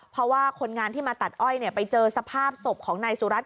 เพราะว่าคนงานที่มาตัดอ้อยไปเจอสภาพศพของนายสุรัตน